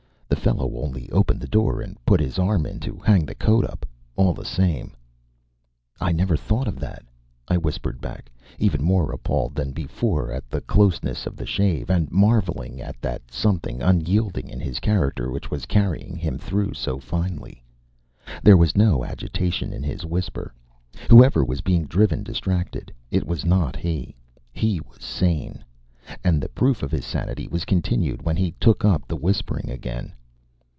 "The fellow only opened the door and put his arm in to hang the coat up. All the same " "I never thought of that," I whispered back, even more appalled than before at the closeness of the shave, and marveling at that something unyielding in his character which was carrying him through so finely. There was no agitation in his whisper. Whoever was being driven distracted, it was not he. He was sane. And the proof of his sanity was continued when he took up the whispering again.